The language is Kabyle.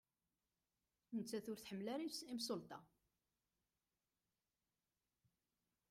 Nettat ur tḥemmel ara imsulta.